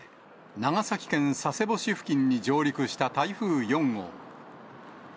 長崎県佐世保市付近に上陸した台風４号。